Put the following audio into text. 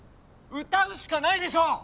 歌うしかないでしょう！